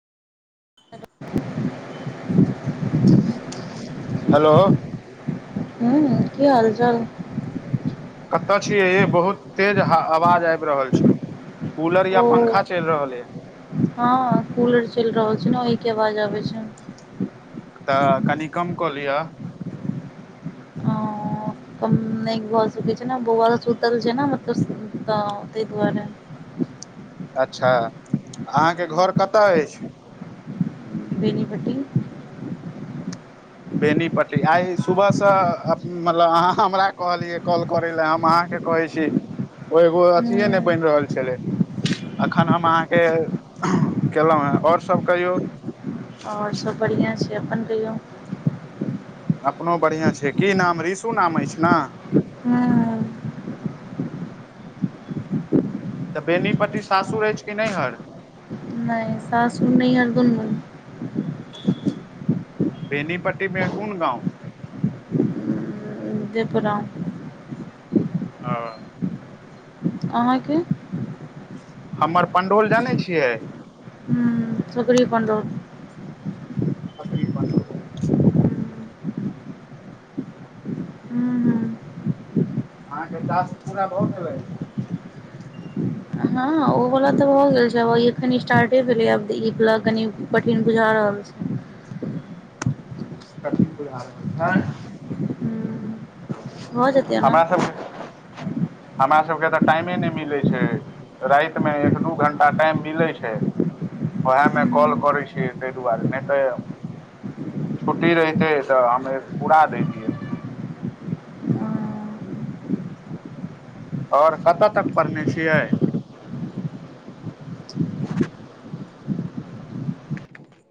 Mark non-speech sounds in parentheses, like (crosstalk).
(inaudible) Hello, हूँ की हाल चाल? कतऽ छीयै यै बहुत तेज ह आवाज आबि रहल छैय। कूलर या पंखा चलि रहलैए। हॅं कूलर चलि रहल छै ने ओहि के आवाज आबै छै। तऽ कनि कम्म कऽ लियऽ। हॅंअ। कम नै भऽ सकै छै ने बौवा सब सुतल छै ने मतलब तऽ तै दुवारे। अच्छा अहाँ के घर कतऽ अइछ? बेनीपट्टी। बेनीपट्टी, आइ सुबह सँ मतलब अहाँ हमरा कहलियै कॉल करै ले हम अहाँके कहै छी ओ एगो हूँ अथिये नै बनि रहल छलै अखन हम अहाँके केलहुँ हें और सब कहियौ। और सब बढ़ियां छै। अपन कहियौ। अपनो बढ़ियां छै। की नाम रीशु नाम अइछ ने। हॅं। तऽ बेनीपट्टी सासुर अइछ कि नैहर? नै सासुर नैहर दुनू। बेनीपट्टी मे कुन गाँव? देवपुरा। ओ। अहाँके? हमर पंडौल जनै छियै? हुंम्म सकरी - पंडौल। सकरी - पंडौल। हूँ हूँ अहाँके टास्क पूरा भऽ गेल अइ? हँ ओ बला तऽ भऽ गेल छै आब इ एखन स्टार्टे भेलैए आब ई बला कनि कठिन बुझा रहल छै। कठिन बुझा रहल छै? हूँ भऽ जेतै ओना। हमरा सबके हमरा सबके तऽ टाइमे नै मिलै छै रातिमे एक दू घण्टा टाइम मिलै छै, ओहेए मे कॉल करै छियै तै दुवारे नै तऽ छुट्टी रहितै तऽ हमे पुरा दैतियै। और कतऽ तक पढ़ने छियै? (inaudible)